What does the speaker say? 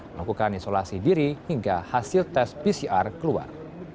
melakukan isolasi diri hingga hasil tes pcr keluar